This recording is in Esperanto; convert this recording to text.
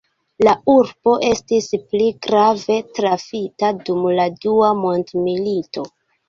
La urbo estis pli grave trafita dum la dua mondmilito.